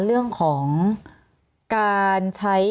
เรื่องของการใช้